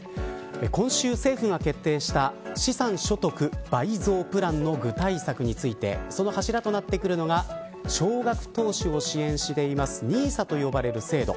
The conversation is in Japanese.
今週、政府が決定した資産所得倍増プランについてその柱となってくるのが少額投資を支援しているＮＩＳＡといわれる制度。